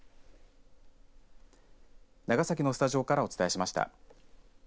長崎のスタジオからお伝えしました。